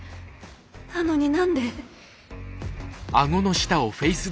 なのに何で？